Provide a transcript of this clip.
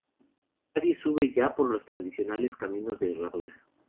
Nadie sube ya por los tradicionales caminos de herradura.